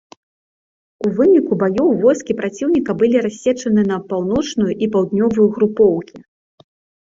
У выніку баёў войскі праціўніка былі рассечаны на паўночную і паўднёвую групоўкі.